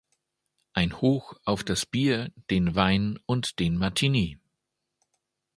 Ein Hoch auf das Bier, den Wein und den Martini!